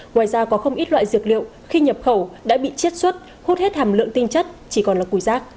ngoài ra có không ít loại dược liệu khi nhập khẩu đã bị chiết xuất hút hết hàm lượng tinh chất chỉ còn là củi rác